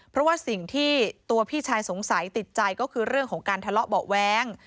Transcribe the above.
เพราะว่าสิ่งที่ตัวพี่ชายสงสัยติดใจก็คือเรื่องของการทะเลาะเบาะแว้ง